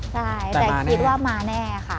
ใช่แต่คิดว่ามาแน่ค่ะ